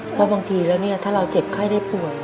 เพราะบางทีแล้วถ้าเราเจ็บไข้ได้ป่วย